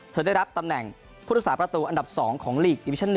เธอได้รับตำแหน่งพุทธศาสตร์ประตูอันดับ๒ของลีกดิวิชั่น๑